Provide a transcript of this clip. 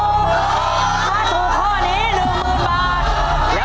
ถ้าถูกข้อนี้๑๐๐๐บาท